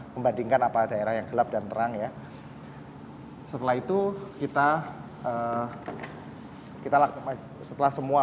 membandingkan apa daerah yang gelap dan terang ya setelah itu kita kita lakukan setelah semua